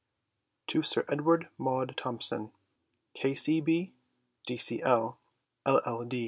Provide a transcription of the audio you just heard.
TO SIR EDWARD MAUNDE THOMPSON K. C. B., D. C. L., LL.